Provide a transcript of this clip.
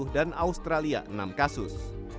dan australia enam kasus